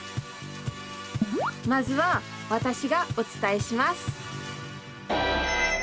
まずは私がお伝えします！